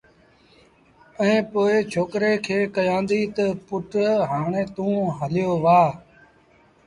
ائيٚݩ پو ڇوڪري کي ڪهيآݩدي تا پُٽ هآڻي توݩ هليو وهآ